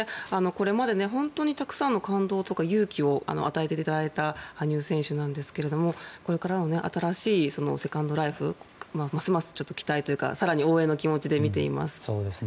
これまで本当にたくさんの感動とか勇気を与えていただいた羽生選手なんですがこれからの新しいセカンドライフますますちょっと期待というか更に応援の気持ちで見ています。